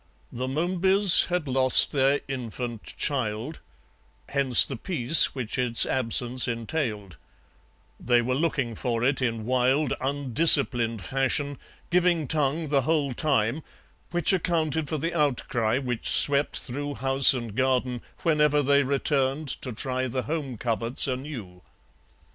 The Momebys had lost their infant child; hence the peace which its absence entailed; they were looking for it in wild, undisciplined fashion, giving tongue the whole time, which accounted for the outcry which swept through house and garden whenever they returned to try the home coverts anew.